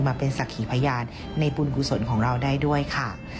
มาเป็นสักขีพยานในบุญกุศลของเราได้ด้วยค่ะ